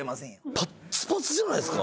パッツパツじゃないですか？